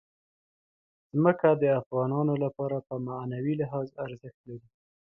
ځمکه د افغانانو لپاره په معنوي لحاظ ارزښت لري.